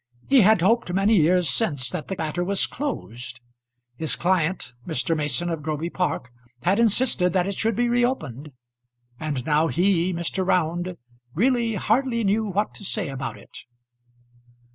He had hoped many years since that the matter was closed. His client, Mr. Mason of Groby Park, had insisted that it should be reopened; and now he, Mr. Round, really hardly knew what to say about it.